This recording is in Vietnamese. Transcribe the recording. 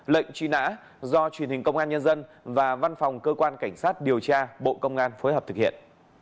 lệnh truy nã do truyền hình công an nhân dân và văn phòng cơ quan cảnh sát điều tra bộ công an phối hợp thực hiện